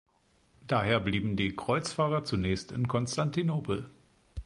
Daher blieben die Kreuzfahrer zunächst in Konstantinopel.